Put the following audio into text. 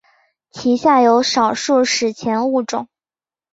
其下有少数史前物种。